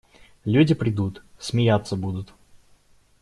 Люди придут – смеяться будут.